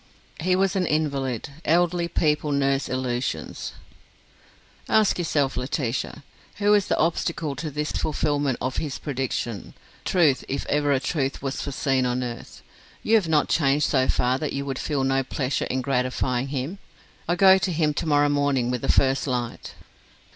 "He was an invalid. Elderly people nurse illusions." "Ask yourself Laetitia, who is the obstacle to the fulfilment of his prediction? truth, if ever a truth was foreseen on earth. You have not changed so far that you would feel no pleasure in gratifying him? I go to him to morrow morning with the first light."